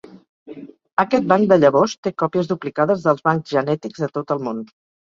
Aquest banc de llavors té còpies duplicades dels bancs genètics de tot el món.